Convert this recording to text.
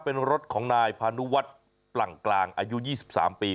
เป็นรถของนายพานุวัฒน์ปลั่งกลางอายุ๒๓ปี